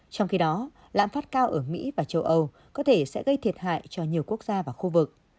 trong khi đó lãm phát cao ở mỹ và châu âu có thể sẽ gây thiệt hại cho nhiều quốc gia và khu vực